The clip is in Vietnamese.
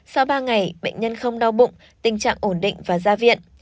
sau ba ngày bệnh nhân không đau bụng tình trạng ổn định và ra viện